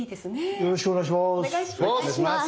よろしくお願いします！